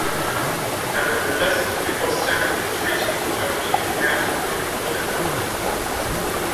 Nevertheless, before signing the treaty, Dorjiev met in Mongolia I.